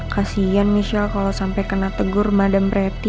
kasian michelle kalo sampe kena tegur madam reti